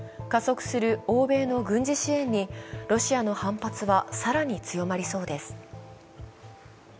加速する欧米の軍事支援にロシアの反発は更に強まりそうです。